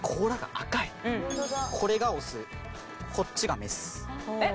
これがオスこっちがメス。